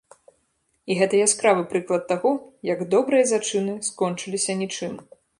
І гэта яскравы прыклад таго, як добрыя зачыны скончыліся нічым.